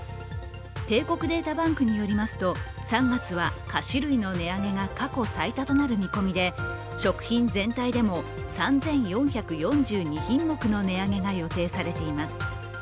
帝国データバンクによりますと３月は菓子類の値上げが過去最多となる見込みで食品全体でも３４４２品目の値上げが予定されています。